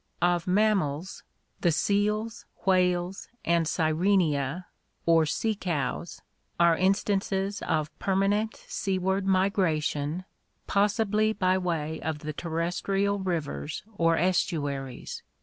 Of mammals, the seals, whales, and Sirenia or sea cows are in stances of permanent seaward migration, possibly by way of the terrestrial rivers or estuaries.